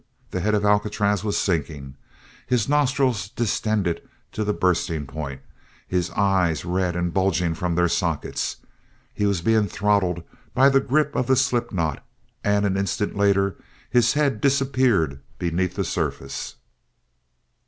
The head of Alcatraz was sinking, his nostrils distended to the bursting point, his eyes red and bulging from their sockets. He was being throttled by the grip of the slip knot; and an instant later his head disappeared beneath the surface.